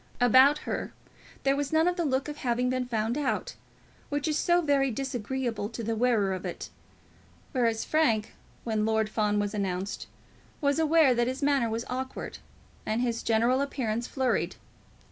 About her there was none of the look of having been found out, which is so very disagreeable to the wearer of it; whereas Frank, when Lord Fawn was announced, was aware that his manner was awkward, and his general appearance flurried.